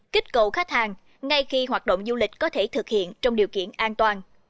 kích cầu khách hàng ngay khi hoạt động du lịch có thể thực hiện trong điều kiện an toàn